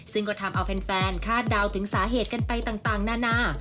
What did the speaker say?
ซึ่งก็ทำเอาแฟนคาดเดาถึงสาเหตุกันไปต่างนานา